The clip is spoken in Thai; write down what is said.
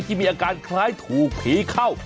มีอาการคล้ายถูกผีเข้า